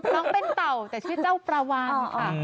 น้องเป็นเต่าแต่ชื่อเจ้าปลาวานค่ะ